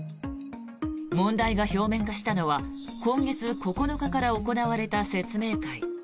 問題が表面化したのは今月９日から行われた説明会。